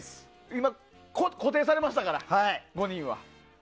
固定されましたから５人は。